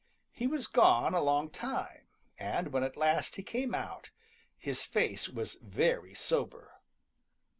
He was gone a long time, and when at last he came out, his face was very sober.